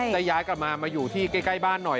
จะย้ายกลับมามาอยู่ที่ใกล้บ้านหน่อย